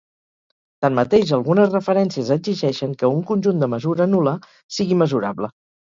Tanmateix algunes referències exigeixen que un conjunt de mesura nul·la sigui mesurable.